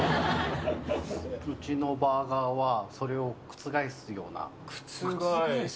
うちのバーガーはそれを覆す覆す？